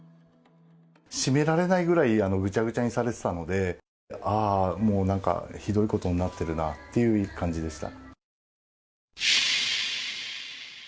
閉められないぐらいぐちゃぐちゃにされてたので、もうなんか、ひどいことになってるなっていう感じでした。